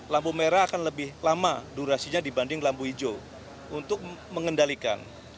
lampu merah akan lebih lama durasinya dibanding lampu hijau untuk mengendalikan